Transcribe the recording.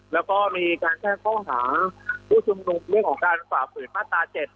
และก็มีการแพลงค้องหาผู้ชุมนุมเรียกของการฝ่าผื่นมาตรา๗